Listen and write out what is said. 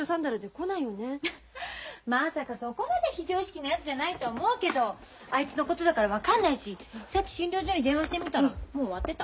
まさかそこまで非常識なやつじゃないと思うけどあいつのことだから分かんないしさっき診療所に電話してみたらもう終わってた。